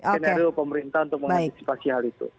skenario pemerintah untuk mengantisipasi hal itu